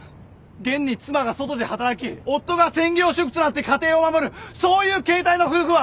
現に妻が外で働き夫が専業主夫となって家庭を守るそういう形態の夫婦はたくさんいるぞ。